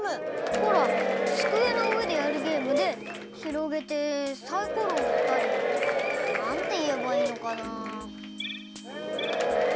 ほらつくえのうえでやるゲームでひろげてサイコロをふったりなんていえばいいのかなあ。